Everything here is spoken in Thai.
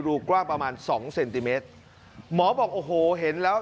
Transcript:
รูกว้างประมาณสองเซนติเมตรหมอบอกโอ้โหเห็นแล้ว